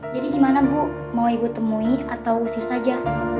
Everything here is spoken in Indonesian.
jadi gimana bu mau ibu temui atau usir saja